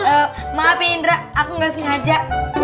eh maaf ya indra aku gak sengaja